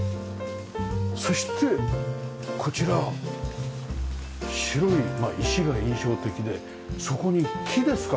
そしてこちら白い石が印象的でそこに木ですか？